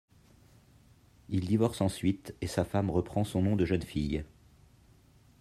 Ils divorcent ensuite et sa femme reprend son nom de jeune fille.